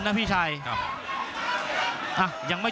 ภูตวรรณสิทธิ์บุญมีน้ำเงิน